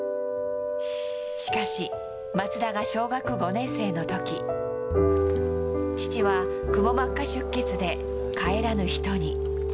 しかし松田が小学５年生のとき、父はくも膜下出血で帰らぬ人に。